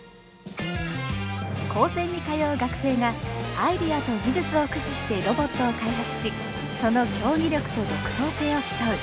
高専に通う学生がアイデアと技術を駆使してロボットを開発しその競技力と独創性を競う。